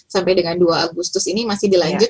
sampai dengan dua agustus ini masih dilanjut